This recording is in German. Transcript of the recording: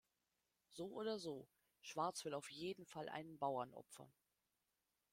So oder so, Schwarz will auf jeden Fall einen Bauern opfern.